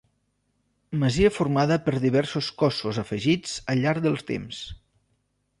Masia formada per diversos cossos afegits al llarg del temps.